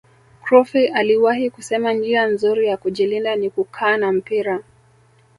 crufy aliwahi kusema njia nzuri ya kujilinda ni kukaa na mpira